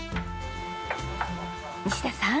西田さん。